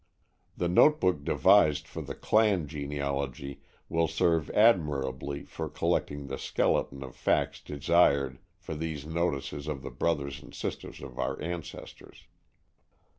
The notebook devised for the "clan" genealogy will serve admirably for collecting the skeleton of facts desired for these notices of the brothers and sisters of our ancestors.